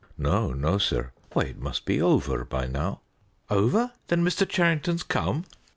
No, no, sir; why, it must be over by now." "Over! Then Mr. Charrington's come?"